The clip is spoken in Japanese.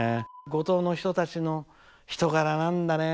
五島の人たちの人柄なんだね。